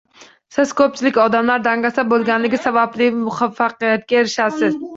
Siz ko’pchilik odamlar dangasa bo’lganligi sababli muvaffaqiyatga erishasiz